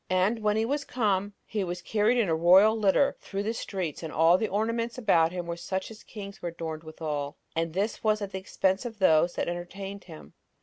And when he was come, he was carried in a royal litter through the streets; and all the ornaments about him were such as kings are adorned withal; and this was at the expense of those that entertained him.